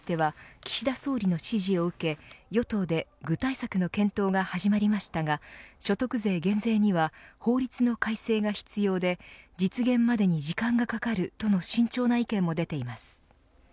減税については岸田総理の指示を受け与党で具体策の検討が始まりましたが所得税減税には法律の改正が必要で実現までに時間がかかるとの慎重な意見も出ています。